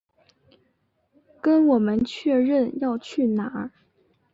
跟我们确认要去哪